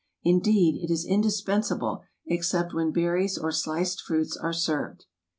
Indeed, it is indispen sable except when berries or sliced fruits are served.